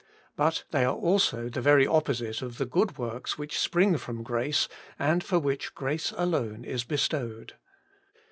But they are also the very opposite of the good works which spring from grace, and for which alone grace is bestowed.